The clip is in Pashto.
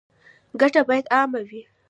ګټه باید عامه وي